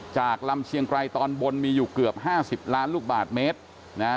จากลำเชียงไกรตอนบนมีอยู่เกือบห้าสิบล้านลูกบาทเมตรนะฮะ